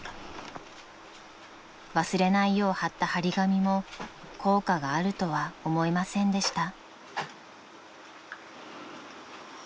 ［忘れないよう張った張り紙も効果があるとは思えませんでした］